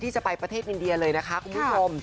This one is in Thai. จะไปประเทศอินเดียเลยนะคะคุณผู้ชม